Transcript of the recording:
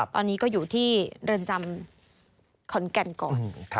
ตอนนี้ก็อยู่ที่เรือนจำขอนแก่นก่อน